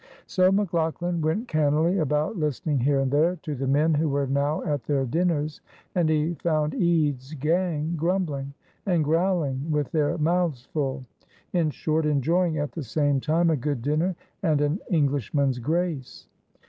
So McLaughlan went cannily about listening here and there to the men who were now at their dinners, and he found Ede's gang grumbling and growling with their mouths full; in short, enjoying at the same time a good dinner and an Englishman's grace.